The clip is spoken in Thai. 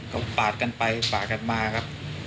เขาปาดกันไปปาดกันมาครับ